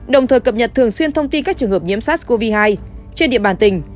đồng thời cập nhật thường xuyên thông tin các trường hợp nhiễm sars cov hai trên địa bàn tỉnh